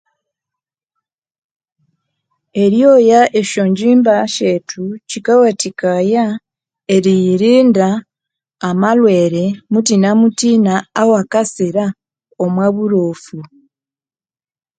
Eryoya esyo ngyimba syethu kyikawathukaya eriyirinda amalhwere muthina muthina awakasira omwa burofu